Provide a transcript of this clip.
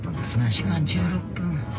１時間１６分。